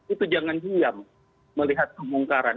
itu jangan diam melihat kebongkaran